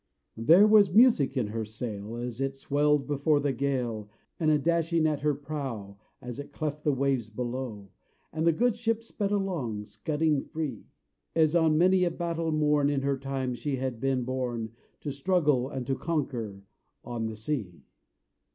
There was music in her sail As it swelled before the gale, And a dashing at her prow As it cleft the waves below, And the good ship sped along, Scudding free; As on many a battle morn In her time she had been borne, To struggle and to conquer On the sea.